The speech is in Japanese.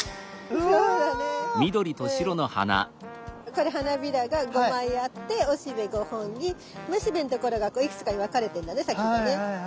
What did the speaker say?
これ花びらが５枚あって雄しべ５本に雌しべのところがこういくつかに分かれてんだね先がね。